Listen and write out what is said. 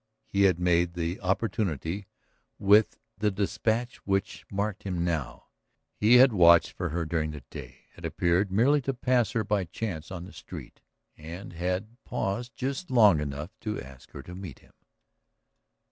He had made the opportunity with the despatch which marked him now; he had watched for her during the day, had appeared merely to pass her by chance on the street, and had paused just long enough to ask her to meet him.